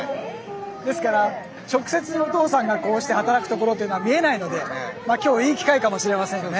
ですから直接お父さんがこうして働くところというのは見えないので今日いい機会かもしれませんね。